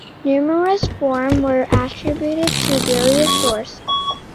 Numerous forms were attributed to various sources.